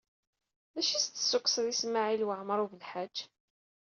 D acu i s-d-tessukseḍ i Smawil Waɛmaṛ U Belḥaǧ?